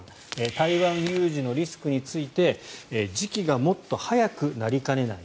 台湾有事のリスクについて時期がもっと早くなりかねない。